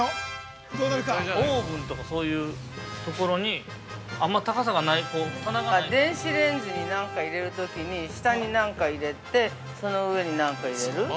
◆オーブンとかそういう所にあんま高さがない、棚が◆電子レンジに何か入れるときに下に何か入れて、上に何か入れる。